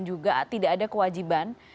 juga tidak ada kewajiban